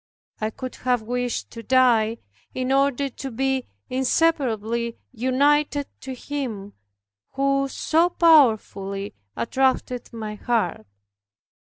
I could then have wished to die, in order to be inseparably united to Him who so powerfully attracted my heart.